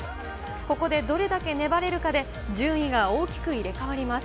ここでどれだけ粘れるかで、順位が大きく入れ替わります。